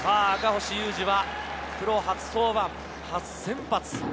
赤星優志はプロ初登板、初先発。